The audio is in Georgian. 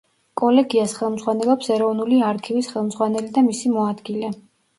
კოლეგიას ხელმძღვანელობს ეროვნული არქივის ხელმძღვანელი და მისი მოადგილე.